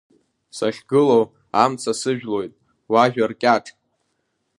Сахьгылоу амца сыжәлоит, уажәа ркьаҿ.